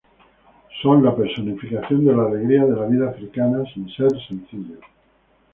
Son la personificación de la alegría de la vida africana, sin ser sencillo.